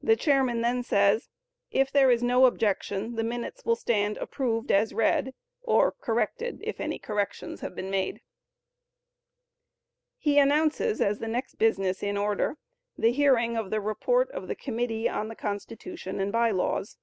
The chairman then says, "If there is no objection the minutes will stand approved as read" [or "corrected," if any corrections have been made]. He announces as the next business in order, "the hearing of the report of the committee on the Constitution and By Laws."